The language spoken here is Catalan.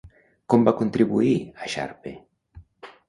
Com va contribuir a Sharpe?